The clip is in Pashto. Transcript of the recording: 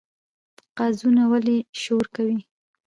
قازونه ولې شور کوي؟